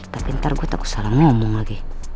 tapi ntar gue takut salah mau ngomong lagi